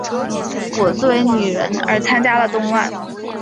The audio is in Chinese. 我作为女人而参与了动乱。